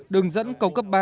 đường dẫn cầu cấp ba